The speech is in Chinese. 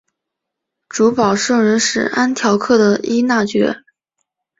主保圣人是安条克的依纳爵。